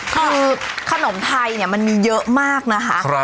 คือขนมไทยเนี่ยมันมีเยอะมากนะคะ